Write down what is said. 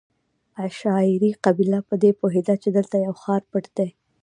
عشایري قبیله په دې پوهېده چې دلته یو ښار پټ دی.